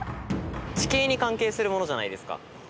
地形に関係するものじゃないですか。